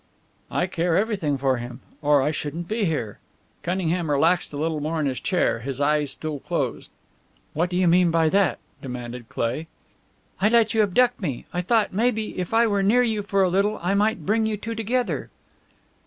"I care everything for him or I shouldn't be here!" Cunningham relaxed a little more in his chair, his eyes still closed. "What do you mean by that?" demanded Cleigh. "I let you abduct me. I thought, maybe, if I were near you for a little I might bring you two together."